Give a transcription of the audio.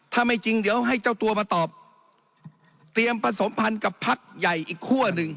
ถ้าไม่จริงเดี๋ยวให้เจ้าตัวมาตอบเตรียมผสมพันธ์กับพักใหญ่อีกคั่วหนึ่ง